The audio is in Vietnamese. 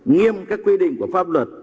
nghiêm các quy định của pháp luật